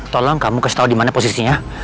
tolong kamu kasih tau dimana posisinya